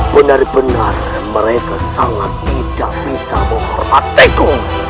benar benar mereka sangat tidak bisa menghormatiku